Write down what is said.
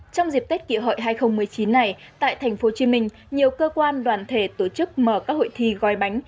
trong dịp tết kỷ hội hai nghìn một mươi chín này tại tp hcm nhiều cơ quan đoàn thể tổ chức mở các hội thi gói bánh